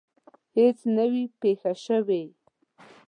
هیڅ نه وي پېښه شوې.